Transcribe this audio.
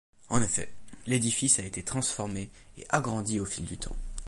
En effet, l'édifice a été transformé et agrandi au fil du temps.